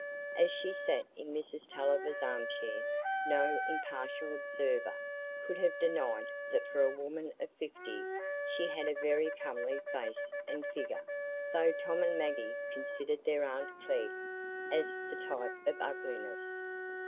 As she sat in Mrs Tulliver's arm chair, no impartial observer could have denied that for a woman of fifty she had a very comely face and figure, though Tom and Maggie considered their aunt Glegg as the type of ugliness.